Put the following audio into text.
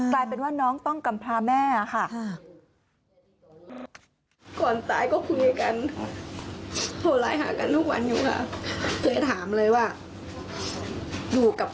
กลายเป็นว่าน้องต้องกำพาแม่ค่ะ